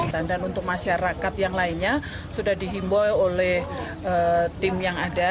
untuk masyarakat yang lainnya sudah dihimbau oleh tim yang ada